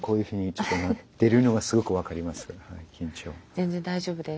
全然大丈夫です。